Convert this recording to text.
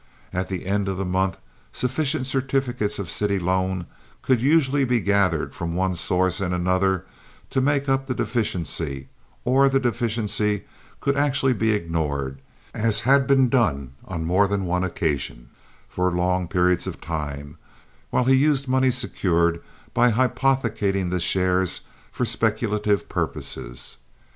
At the end of the month sufficient certificates of city loan could usually be gathered from one source and another to make up the deficiency, or the deficiency could actually be ignored, as had been done on more than one occasion, for long periods of time, while he used money secured by hypothecating the shares for speculative purposes.